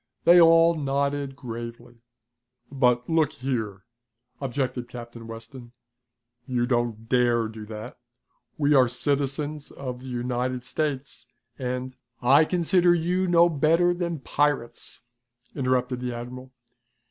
They all nodded gravely. "But look here!" objected Captain Weston. "You don't dare do that! We are citizens of the United States, and " "I consider you no better than pirates," interrupted the admiral.